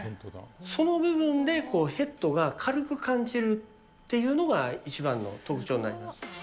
その部分でヘッドが軽く感じるというのが一番の特徴になりま